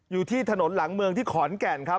อยู่ที่ถนนหลังเมืองที่ขอนแก่นครับ